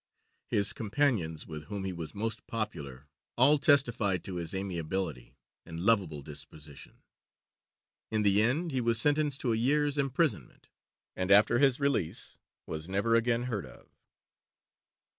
His companions, with whom he was most popular, all testified to his amiability and lovable disposition. In the end he was sentenced to a year's imprisonment, and after his release was never again heard of.